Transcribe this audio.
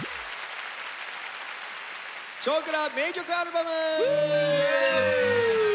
「少クラ名曲アルバム」。